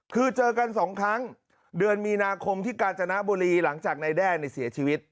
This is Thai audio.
คือเจอกันสองครั้งเดือนมีนาคมที่กาญจนบุรีหลังจากนายแด้ในเสียชีวิต